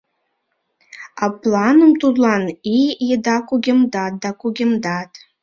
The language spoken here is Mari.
А планым тудлан ий еда кугемдат да кугемдат.